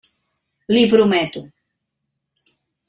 L'hi prometo.